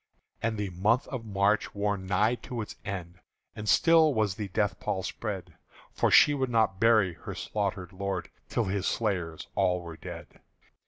And the month of March wore nigh to its end, And still was the death pall spread; For she would not bury her slaughtered lord Till his slayers all were dead.